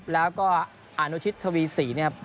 แล้วก็อานุชิตทวี๔เนี่ย